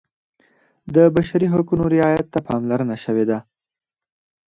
د بشري حقونو رعایت ته پاملرنه شوې ده.